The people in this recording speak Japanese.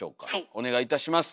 お願いいたします。